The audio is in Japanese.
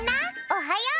おはよう。